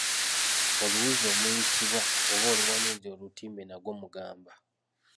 Oluwuzi omuyisibwa oba oluwanirira olutimbe nagwo mugamba.